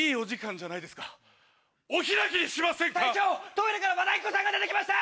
トイレから和田アキ子さんが出て来ました！